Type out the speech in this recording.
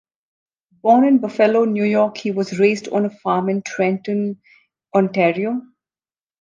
Born in Buffalo, New York, he was raised on a farm in Trenton, Ontario.